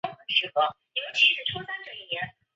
胎盘由以血管与结缔组织构成的脐带与胚胎相连。